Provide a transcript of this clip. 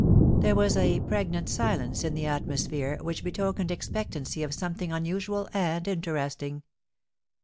There was a pregnant silence in the atmosphere which betokened expectancy of something un usual and interesting.